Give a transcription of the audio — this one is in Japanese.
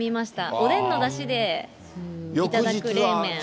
おでんのだしで頂く冷麺。